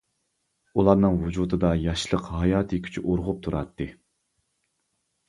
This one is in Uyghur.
ئۇلارنىڭ ۋۇجۇدىدا ياشلىق ھاياتى كۈچى ئۇرغۇپ تۇراتتى.